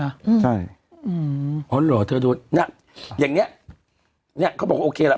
อืมใช่อืมอ๋อเหรอเธอโดนน่ะอย่างเนี้ยเนี้ยเขาบอกโอเคล่ะ